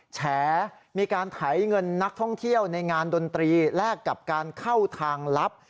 แฉมีการไถเงินนักท่องเที่ยวในงานดนตรีแลกกับการเข้าทางลับ